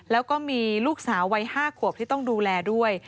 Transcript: แล้วก็มีลูกสาววัย๕ขวบที่ต้องดูแลด้วย